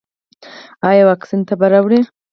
ایا واکسین تبه راوړي؟